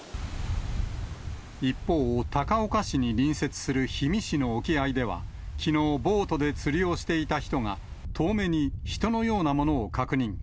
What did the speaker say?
一方、高岡市に隣接する氷見市の沖合では、きのう、ボートで釣りをしていた人が、遠目に人のようなものを確認。